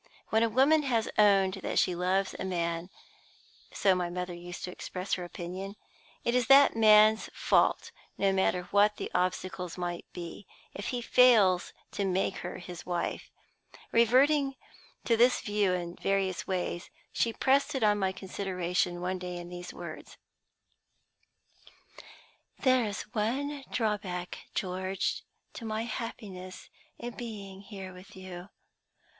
When a woman has owned that she loves a man (so my mother used to express her opinion), it is that man's fault, no matter what the obstacles may be, if he fails to make her his wife. Reverting to this view in various ways, she pressed it on my consideration one day in these words: "There is one drawback, George, to my happiness in being here with you.